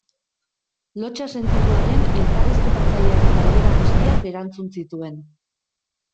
Lotsa sentitu arren elkarrizketatzailearen galdera guztiak erantzun zituen.